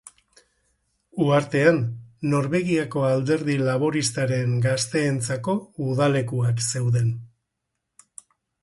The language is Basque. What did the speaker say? Uhartean Norvegiako Alderdi Laboristaren gazteentzako udalekuak zeuden.